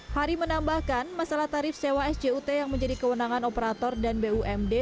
hari menambahkan masalah tarif sewa sjut yang menjadi kewenangan operator dan bumd